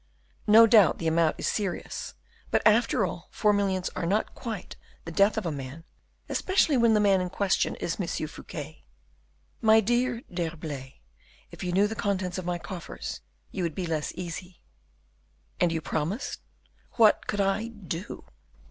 "No doubt the amount is serious, but, after all, four millions are not quite the death of a man, especially when the man in question is Monsieur Fouquet." "My dear D'Herblay, if you knew the contents of my coffers, you would be less easy." "And you promised?" "What could I _do?